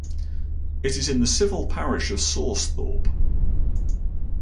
It is in the civil parish of Sausthorpe.